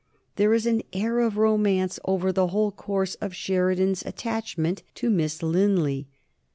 There is an air of romance over the whole course of Sheridan's attachment to Miss Linley.